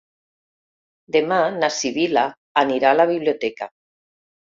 Demà na Sibil·la anirà a la biblioteca.